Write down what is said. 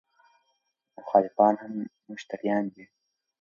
مخالفان هم مشتریان دي.